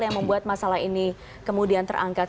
yang membuat masalah ini kemudian terangkat